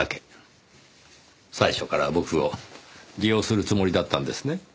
最初から僕を利用するつもりだったんですね？